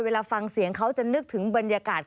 เวลาฟังเสียงเขาจะนึกถึงบรรยากาศ